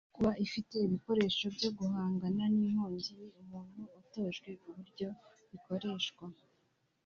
kuba ufite ibikoresho byo guhangana n’ inkongi n’ umuntu watojwe uburyo bikoreshwa